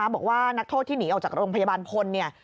บอกว่านักโทษที่หนีออกจากโรงพยาบาลพลเนี่ย